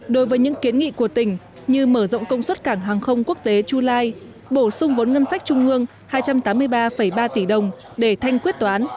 đối với những kiến nghị của tỉnh như mở rộng công suất cảng hàng không quốc tế chu lai bổ sung vốn ngân sách trung ương hai trăm tám mươi ba ba tỷ đồng để thanh quyết toán